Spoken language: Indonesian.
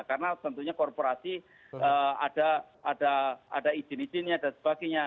karena tentunya korporasi ada izin izinnya dan sebagainya